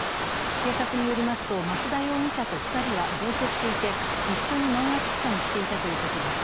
警察によりますと、増田容疑者と２人は同居していて一緒に漫画喫茶に来ていたということです。